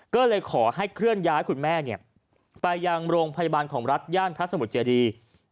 ก็เลยขอให้เคลื่อนย้ายคุณแม่ไปยังโรงพยาบาลของรัฐย่านพระสมุทรเจดี